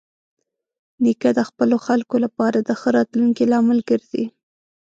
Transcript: نیکه د خپلو خلکو لپاره د ښه راتلونکي لامل ګرځي.